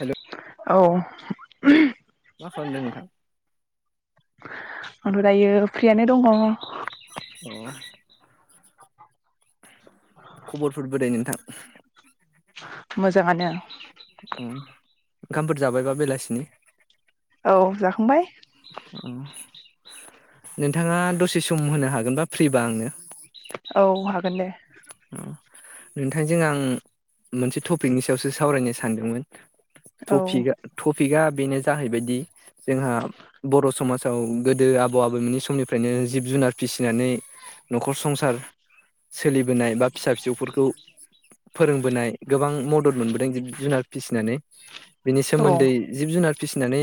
Hello औ मा खालामदों नोंथां? आंथ' दायो फ्रियानो दङ। अ खबरफोर बोरै नोंथां? मोजाङानो। उम ओंखामफोर जाबायबा बेलासिनि? औ जाखांबाय अ नोंथाङा दसे सम होनो हागोनबा फ्रिबा आंनो? औ हागोन दे। नोंथांजों आं मोनसे टपिकनि सायावसो सावरायनो सानदोंमोन। औ टफिगा टफिकया बेनो जाहैबायदि जोंहा बर' समाजाव गोदो आबौ आबौमोननि समनिफ्रायनो जिब जुनार फिसिनानै न'खर संसार सोलि बोनाय बा फिसा फिसौफोरखौ फोरोंबोनाय गोबां मदद मोनबोदों जुनार फिसिनानै बिनि औ सोमोन्दै जिब जुनार फिसिनानै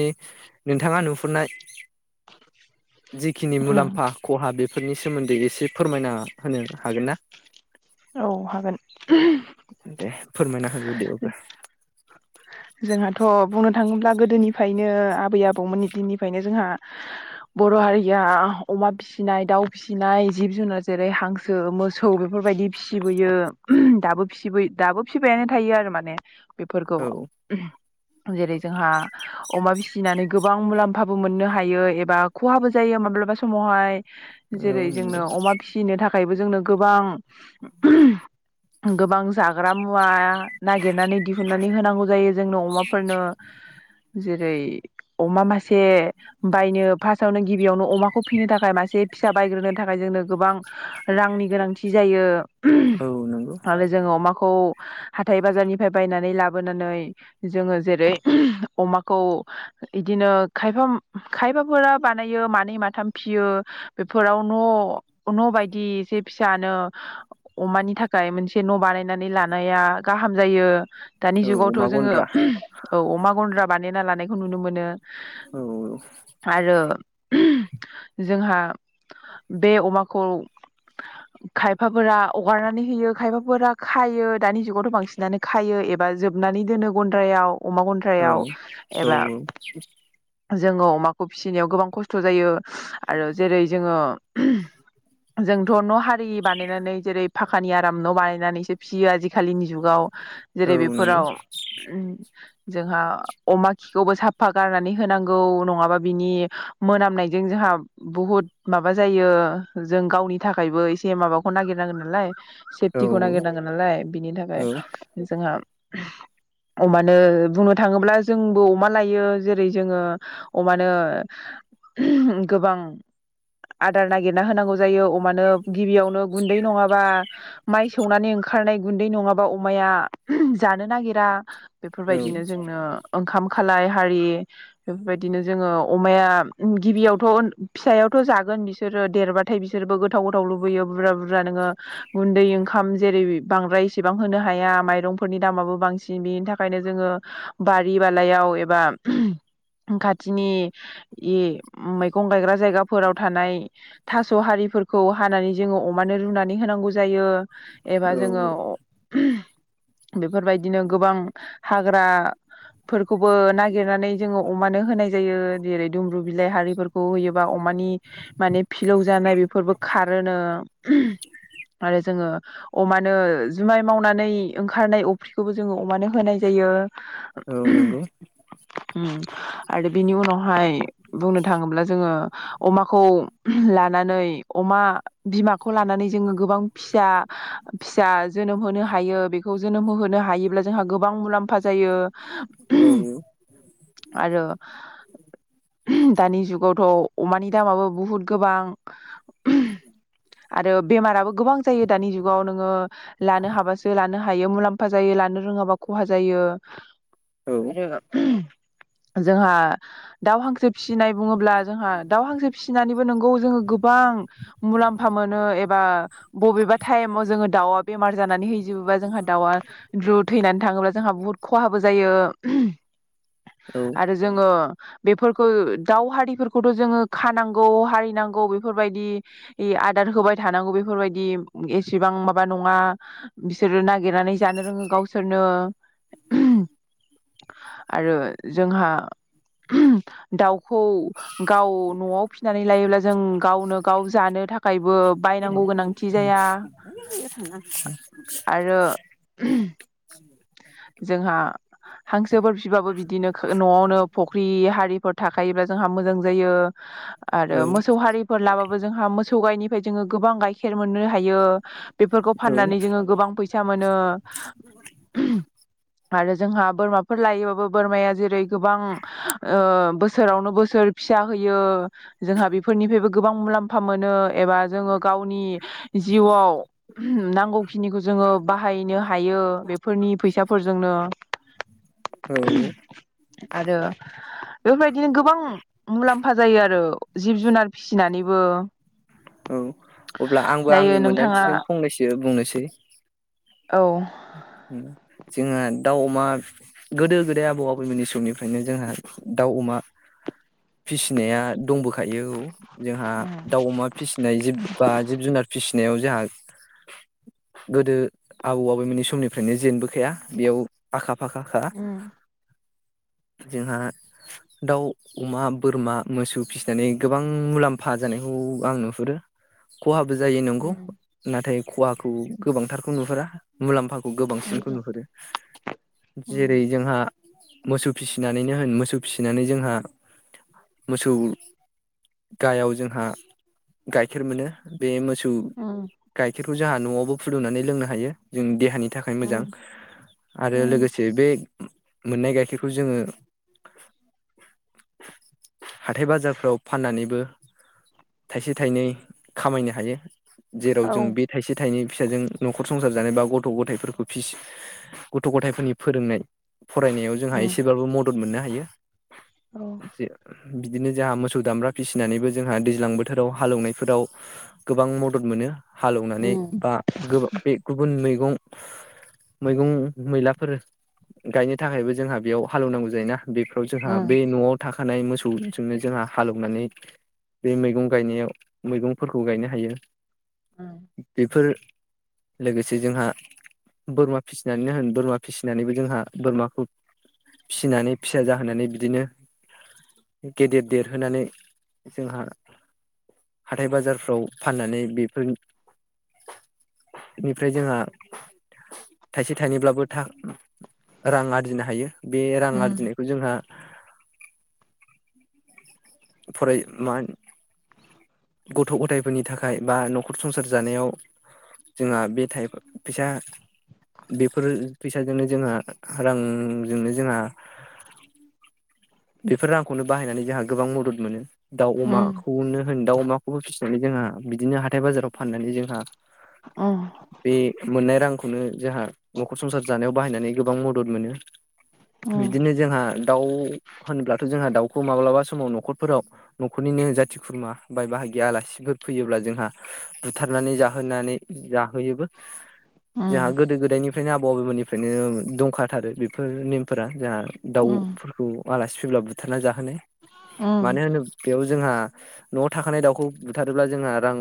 नोंथाङा नुहुरनाय जिखिनि उम मुलाम्फा खहा बे फोरनि सोमोन्दै एसे फोरमायना होनो हागोन ना औ हागोन दे फोरमायना होग्रोदो अब्ला। जोंहाथ' बुं बुंनो थाङोब्ला गोदोनिफ्रायनो आबै आबौमोननि दिननिफ्रायनो जोंहा बर' हारिया अमा फिसिनाय दाउ फिसिनाय जिब जुनार जेरै हांसो मोसौ बेफोरबायदि फिसिबोयो दाबो फियो दाबो फबायायानो थायो आरो माने बेफोरखौ औ जेरै जोंहा अमा फिसिनानै गोबां मुलाम्फाबो मोननो हायो एबा खहाबो जायो माब्लाबा समावहाय औ जेरै जोंनो नंगौ अमा फिसिनो थाखायबो जोंनो गोबां गोबां जाग्रा मुवा नागिरनानै दिहुननानै होनांगौ जायो जोंनो अमाफोरनो जेरै अमा मासे बायनो फार्स्टआवनो गिबियावनो अमाखौ फिसिनो थाखाय मासे फिसा बायग्रोनो थाखाय जोंनो गोबां रांनि गोनांथि जायो औ नंगौ आरो जोङो अमाखौ हाथाय बाजारनिफ्राय बायनानै लाबोनानै जोङो जेरै अमाखौ इदिनो खायफा खायफाफोरा बानायो मानै माथाम फियो बेफोराव न' न' बायदि एसे फिसानो अमानि थाखाय मोनसे न' बानाय बायनानै लानाया गाहाम जायो दानि औ जुगावथ' अमा जोङो गन्द्रा औ अमा गन्द्रा बानाय ना लानायखौ नुनो मोनो औ आरो जोंहा बे अमाखौ खायफाफोरा हगारनानै होयो खायफाफोरा खायो दानि जुगावथ' बांसिनानो खायो एबा जोबनानै दोनो गन्द्रायाव अमा औ गन्न्द्रायाव औ एबा जोङो अमाखौ फिसिनायाव गोबां खस्थ' जायो आरो जेरै जोङो जोंथ' न' हारि बानायनानै जेरै फाखानि आराम न' बानायनानै िसियो आजि आथिखालिनि जुगाव औ जेरै नंगौ बेफोराव जोंहा अमा खिखौबो साफा गारनानै होनांगौ नङाबा बिनि मोनामनायजों जोंहा बुहुद माबा जायो जों गावनि थाखायबो एसे माबाखौ नागिरनांगोन नालाय औ सेथि गना ग नांगोन ालाय बिनि थाखाय जों अमानो बुंनो थाङोब्ला जोंबो अमा लायो जेरै जोङो अमानो गोबां ग ग संनानै ओं खारनाय गुन्दै नङाबा अमाया जानो नागिरा औ बेफोरबायदिनो जोंनो ओंखाम खालाय हारि बेफोरबायदिनो जोङो अमाया गिबियावथ' फिसायावथ' जागोन बिसोरो देरबाथाय बिसोरबो गोथाव गोथाव लुबैयो बुरजा बुरजा नोङो गुन्दै ओंखाम जेरै बांद्रायसेबां होनो हाया माइरंफोरनि दामाबो बांसिन बेनि थाखायनो जोङो बारि बालायाव एबा खाथिनि मैगं गायग्रा जायगाफोराव थानाय थास' हारिफोरखौ हानानै जोङो अमानो रुनानै होनांगौ जायो जोङो बेफोरबायदिनो गोबां हाग्राफोरखौबो नागिरनानै जोङो अमानो होनाय जायो जेरै दुमब्रु बिलाइ हारिफोरखौ होयोबा अमानि माने फिलौ जानाय बेफोरबो खारोनो आरो जोङो औ। अमानो जुमाय मावनानै ओंखारनाय अफ्रिखौबो जोङो अमानो होनाय जायो। औ नंगौ। [inaudible] आरो बिनि उनावहाय बुंनो थाङोब्ला जोङो अमाखौ लानानै अमा बिमाखौ लानानै जोङो गोबां फिसा फिसा जोनोम होनो हायो बेखौ जोनोम होहोनो हायोब्ला जोंहा गोबां मुलामफा जायो औ औ आरो दानि जुगावथ' अमानि दामाबो बुहुत गोबां [inaudible] आरो बेमाराबो गोबां जायो दानि जुग गाव नोङो लानो हाबासो लानो हायो मुलामफा जायो लानो औ [unintelligible] जोंहा दाउ हांसो फिसिनाय बुङोब्ला जोंहा दाउ हां टायेमाव जोङो दावाग बेमार जानानै हैजोबोबा जोंहा दाउआ द्रु थैनानै थाङोब्ला जोंहा बुहुत ख'हाबो जायो। आरो जोङो बेफोरखौ दाव हारिफोरखौथ' जोङो खानांगौ हारिनांगौ बेफोरबायदि आदार होबाय थानांगौ बेफोरबायदि। एसेबां माबा नङा बिसोरो नागिरनानै जानो रोङो गावसोरनो आरो जोंहा दाउ खौ गाव न'आव फिनानै लायोब्ला जों गावनो गाव जानो थाखायबो बायनांगौ गोनांथि जाया आरो [unintelligible] जोंहा हांस [unintelligible] बिबाबो बिदिनो न'आवनो फुख्रि हारिफोर थाखायोब्ला जोंहा मोजां जायो आरो मोसौ हालिफोर लाबा जोंहा मोसौ गायनिफ्राय जों गोबां गाइखेर मोननो हायो। बेफोरखौ फाननानै जोङो गोबां फैसा मोनो। आरो जोंहा बोरमाफोर लायोबाबो बोरमाया जेरै गोबां ओ बोसोरावनो बोसोर फिसा होयो जोंहा बेफोरनिफ्रायबो गोबां मुलाम्फा मोनो एबा जोङो गावनि जिउआव नांगौखिनिखौ जोङो बाहायनो हायो फोरनि फैसाफोरजोंनो औ आरो बेफोरबायदिनो गोबां मुलाम्फा सफा जायो आरो जिब जुनार फिसिनानैबो औ अब्ला आंबो दायो आंनि नोंथाङा मोन्दांथिजों फंनैसो बुंनोसै औ जोंङो दाउ अमा गोदो गोदाय आबौ आबैमोननि समनिफ्रायनो जोंहा दाउ अमा फिसिनाया दंबोखायो औ जोंहा उम दाउ अमा फिसिनाय जिब बा जिब जुनार फिसिनाय नायाव जोंहा गोदो आबौ आबैमोननि समनिफ्रायनो जेनबोखाया बेयाव आखा फाखाखा जोंहा दाउ अमा बोरमा मोसौ फिसिनानै गोबां मुलाम्फा जानायखौ आं नुहुरो खहा बो जायो नोंखौ उम नाथाय खहाखौ गोबांंथारखौ नुहेरा मुलाम्फाखौ गोबांसिनखौ नुहुरो जेरै उम जोंहा मोसौ फिसिनानैनो होन मोसौ फिसिनानै जोंहा मोसौ गायाव जोंहा गाइखेर मोनो बे सौ गाय उम गाइखेरखौ जोंहा न'आवबो फुुंदुंनानै लोंनो हायो जोंनि देहानि नि थाखाय मोजां उम आरो लोगोसे बे मोननाय गाइखेरखौ जोङो हाथाय बाजारफ्राव फाननानैबो थाइसे थाइनै खामायनो हायो जेराव औ जों बे थाइसे थाइनै फिसाजों न'खर संसार जानाय बा गथ' गथायफोरखौ फिस गथ' गथायफोरनि फोरोंनाय फरायनायाव जोंहा उम एसेबाबो मद मदद मोननो हायो औ से। बिदिनो जोंहा मोसौ दामब्रा फिसिनानैबो जोंहा दैज्लां बोथोराव हालौवनायफोराव गोबां मदद मोनो। हालेवनानै उम बा गोब बे गुबुन मै मैगं मैगं मैलाफोर गायनो थाखायबो जोंहा बेयाव हालौवनांगौ जायोना। बेफोराव जोंहा उम बे न'आव थाखानाय मोसौजोंनो जोंहा हालेवनानै बे मैगं गायनायाव मैगंफोरखौ गायनो हायो। औ बेफोर लोगोसे जोंहा बोरमा फिसिनानैनो होन बोरमा फिसिनानैबो जोंहा बोरमाखौ फिसिनानै फिसा जाहोनानै बिदिनो गेदेर देरहोनानै जोंहा हाथाइ बाजारफ्राव फाननानै बेफोरनिफ्राय जोंहा थाइसे थाइनैब्लाबो था रां आरजिनो हायो। बे रां आरजिनायखौ जोंहा फराय मा गथ' गथायफोरनि थाखाय बा न'खर संसार जानायाव जोंहा बे था फैसा बेफोर फैसाजोंनो जोंहा रांजोंनो जोंहा बेफोर रांखौनो बाहायनानै जोंहा गोबां मदद मोनो। दाउ अमाखौनो होनदावा हाखौबो फिसिनानै जोंहा बिदिनो हाथाय बाजाराव फाननानै जोंहा औ। बे मोननाय रांखौनो जोंहा न'खर संसार जानायाव बाहायनानै गोबां मदद मोनो बिदिनो जोंहा दाउ होनोब्लाथ' जोंहा दाउखौ माब्लाबा समाव न'खरफोराव न'खरनिनो जाथि खुरमा बाय बाहा आलासिफोर फैयोब्ला जोंहा बुथारनानै जाहोनानै जाहोयोबो। ज गोदो गोदायनि ओंखायनो आबौ आबौमोननिफ्रायनो दंखाथारो बेफोर नेमफोरा जाहा दाउफोरखौ आलासि फैब्ला बुथारना जाहोनो। मान होनो बेयाव जो जोंहा न'आव थाखानाय दाउ खौ बुथारोब्ला जोंहा रां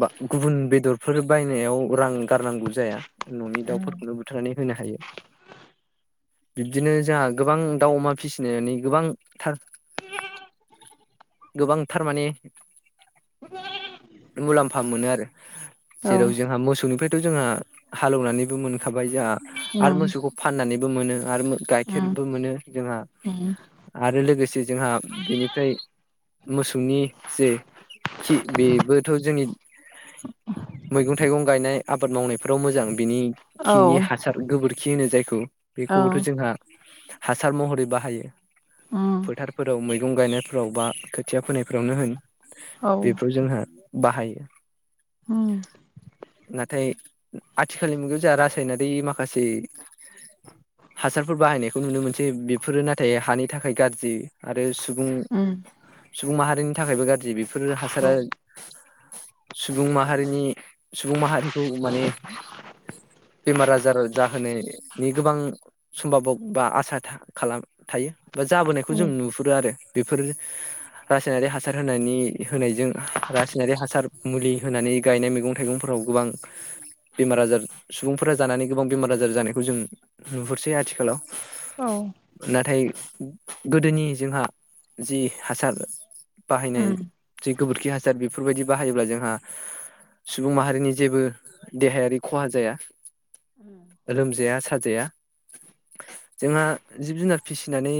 बा गुबुन बेदरफोर बायनायाव रां गारनांगौ जाया न'नि दाउफोरखौनो बुथारनानै होनो हायो बिब्दिनो जोंहा गोबां दाउ अमा फिसिनानै गोबांथार गोबां थारमाने मुलाम्फा मोनो आरो। जेराव जोंहा मोसौनिफ्राय थ' जोंहा हालेवनानैबो मोनखाबाय जोंहा आरो मोसौखौ फाननानै मोनो आरो गाइखेरबो मोनो जोंहा आरो लोगोसे जोंहा बेनिफ्राय मोसौनि जे खि बेबोथ' जोंनि मैगं-थाइगं गायनाय आबाद मावनायफ्राव मोजां बिनि खिनि हासार गोबोरखि होनो जाय थ' बेखौबोथ' जोंहा हासार महरै बाहायो फोथार फोराव मैगं गायनाय फोराव बा खोथिया फोनाय फ्रावनो होन बे फ्राव जोंहा बाहायो। नाथाय आथिखालनि मुगायाव जोंहा रासायनारि माखासे हासार फोर बाहायनायखौ नुनो मोनसै बेफोरो नाथाय हानि थाखाय गाज्रि आरो सुबुं सुबुं माहारिनि थाखायबो गाज्रि बेफोर हासारा सुबुं माहारिनि सुबुं माहारिखौ माने बेमार आजार जाहोनो नि गोबां समबा भब बा आसा था खालाम थायो बा जाबोनायखौ जों नुहुरो आरो बेफोरो रासायनारि हासार होनायनि होनायजों रासायनारि हासार मुलि होनानै गायनाय मैगं थाइगं फोराव गोबां बेमार आजार सुबुं फोरा जानानै गोबां बेमार आजार जानायखौ जों नुहुरसै आथिखालाव नाथाय गोदोनि जोंहा जि हासार बाहायनाय जे गोबोर खि हासार बेफोर बायदि बाहायोब्ला जोंहा सुबुं माहारिनि जेबो देहायारि खहा जाया लोमजाया साजाया जोंहा जिब जुनार फिसि नानै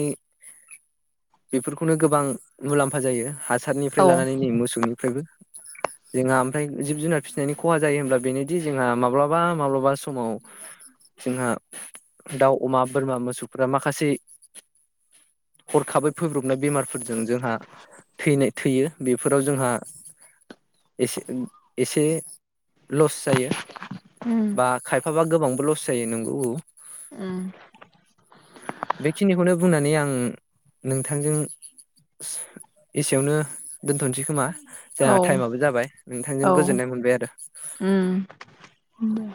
बेफोरखौनो गोबां मुलाम्फा जायो। हासार निफ्राय लानानै नै मोसौनि फ्रायबो। जोंहा ओमफ्राय जिब जुनार फिसिनायनि खहा जायो होनब्ला बेनोदि जोंहा माब्लाबा माब्लाबा समाव जोंहा दाउ अमा बोरमा मोसौफ्रा माखासे हरखाबै फैब्रबनाय बेमार फोरजों जोंहा थैनाय थैयो बेफोराव जोंहा एसे एसे लस जायो। बा खाय बाबा गोबांबो लस जायो नंगौ बे खिनिखौनो बुंनानै आं नोंथांजों एसे यावनो दोनथसै खोमा? जोंहा टाइमाबो जाबाय नोंथांजों गोजोननाय मोनबाय आरो। औ